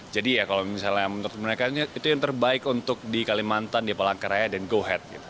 jadi ya kalau misalnya menurut mereka itu yang terbaik untuk di kalimantan di palangkaraya dan go head